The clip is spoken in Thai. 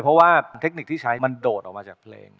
เพราะว่าเทคนิคที่ใช้มันโดดออกมาจากเพลง